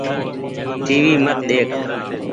ٽي وي مت ۮيک ۔